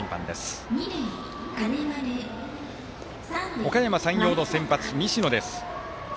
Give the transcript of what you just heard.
おかやま山陽の先発、西野です。